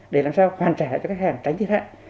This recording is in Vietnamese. để làm sao hoàn trả cho khách hàng tránh thiệt hạn